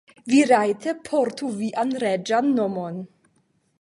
Vi rajte portu vian reĝan nomon.